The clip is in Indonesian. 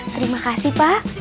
terima kasih pak